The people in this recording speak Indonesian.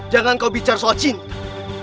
jangan kau bicara soal cinta